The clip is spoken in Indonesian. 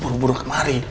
tapi papa pulang kemari